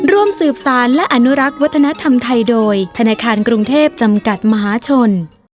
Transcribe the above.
ร่วมสืบสารและอนุรักษ์วัฒนธรรมไทยโดยธนาคารกรุงเทพจำกัดมหาชน